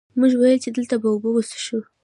مونږ ويل چې دلته به اوبۀ وڅښو ـ